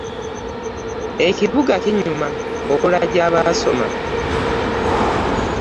Ekibuga kinyuma okola gya baasoma.